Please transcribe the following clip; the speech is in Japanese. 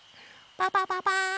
パパパパーン！